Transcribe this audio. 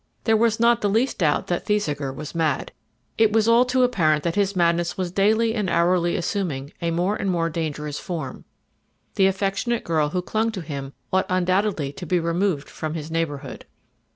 There was not the least doubt that Thesiger was mad; it was all too apparent that his madness was daily and hourly assuming a more and more dangerous form. The affectionate girl who clung to him ought undoubtedly to be removed from his neighbourhood.